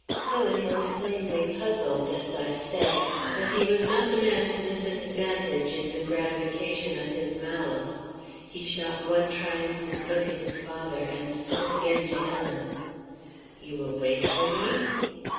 "Cullen was plainly puzzled, as I say, but he was not the man to miss an advantage in the gratification of his malice. He shot one triumphant look at his father and spoke again to Helen. "'You will wait for me?'